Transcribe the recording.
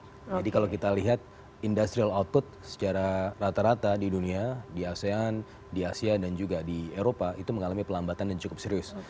jadi kalau kita lihat industrial output secara rata rata di dunia di asean di asia dan juga di eropa itu mengalami pelambatan yang cukup serius